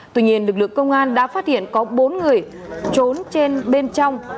tuy nhiên lực lượng công an đã phát hiện có bốn người trốn trên bên trong